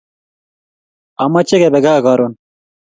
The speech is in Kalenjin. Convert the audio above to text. Amache kebe gaa karon